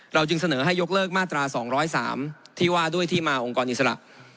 จึงเสนอให้ยกเลิกมาตรา๒๐๓ที่ว่าด้วยที่มาองค์กรอิสระ